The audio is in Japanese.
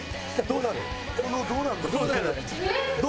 どうなる？